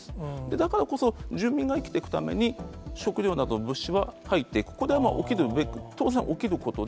だからこそ、住民が生きていくために、食料などの物資は入っていく、これは起きるべく、当然起きることで。